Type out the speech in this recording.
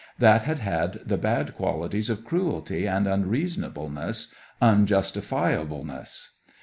That had had the bad qualities of cruelty and unreasonableness, unjustifiableness.